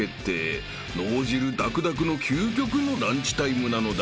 ［脳汁だくだくの究極のランチタイムなのだ］